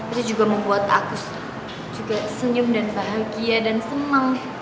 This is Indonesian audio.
itu juga membuat aku senyum dan bahagia dan senang